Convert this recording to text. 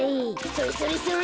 それそれそれ。